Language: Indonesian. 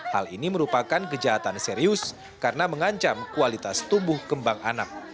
hal ini merupakan kejahatan serius karena mengancam kualitas tumbuh kembang anak